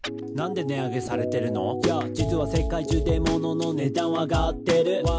「じつは世界中でものの値段は上がってるＷＨＹ？」